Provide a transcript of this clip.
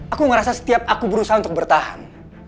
aku ngerasa setiap aku berusaha untuk bertahan